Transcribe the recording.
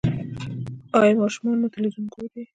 ایا ماشومان مو تلویزیون ګوري؟